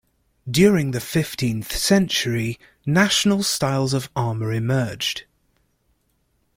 During the fifteenth century national styles of armour emerged.